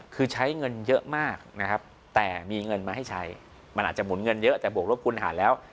คือใช้เงินเยอะมากนะครับแต่มีเงินมาให้ใช้มันอาจจะหมุนเงินเยอะแต่บวกลบคูณหารแล้ว